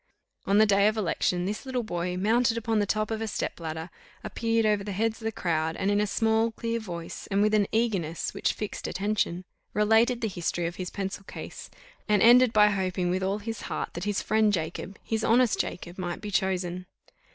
On the day of election, this little boy, mounted upon the top of a step ladder, appeared over the heads of the crowd, and in a small clear voice, and with an eagerness which fixed attention, related the history of his pencil case, and ended by hoping with all his heart that his friend Jacob, his honest Jacob, might be chosen.